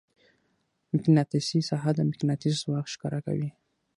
مقناطیسي ساحه د مقناطیس ځواک ښکاره کوي.